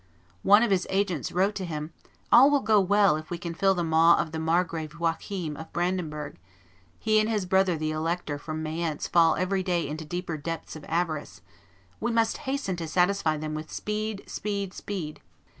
One of his agents wrote to him, "All will go well if we can fill the maw of the Margrave Joachim of Brandenburg; he and his brother the elector from Mayence fall every day into deeper depths of avarice; we must hasten to satisfy them with speed, speed, speed."